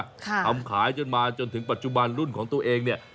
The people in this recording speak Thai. ทำขายจนมาจนถึงปัจจุบันรุ่นของตัวเองเนี่ย